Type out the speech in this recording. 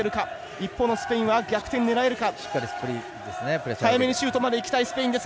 一方のスペイン逆転を狙えるか。